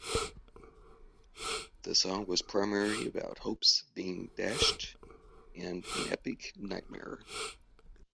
The song was primarily about "hopes being dashed" and "an epic nightmare".